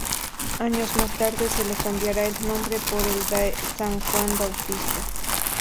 Años más tarde se le cambiaría el nombre por el de San Juan Bautista.